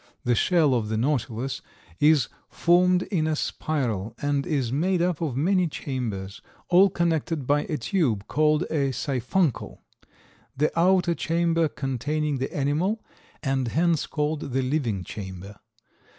The shell of the Nautilus is formed in a spiral and is made up of many chambers, all connected by a tube called a siphuncle, the outer chamber containing the animal and hence called the living chamber.